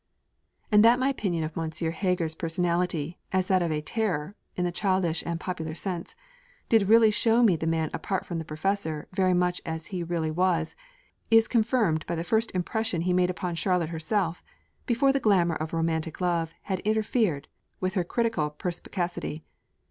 And that my opinion of M. Heger's personality, as that of a 'Terror' (in the childish and popular sense) did really show me the man apart from the Professor very much as he really was, is confirmed by the first impression he made upon Charlotte herself before the glamour of romantic love had interfered with her critical perspicacity.